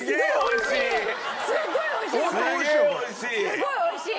すごい美味しい！